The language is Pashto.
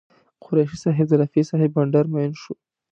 قریشي صاحب د رفیع صاحب بانډار مین شو.